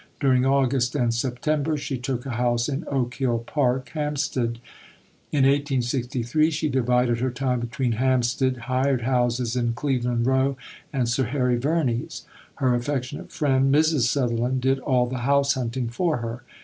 During August and September she took a house in Oak Hill Park, Hampstead. In 1863 she divided her time between Hampstead, hired houses in Cleveland Row, and Sir Harry Verney's. Her affectionate friend, Mrs. Sutherland, did all the house hunting for her.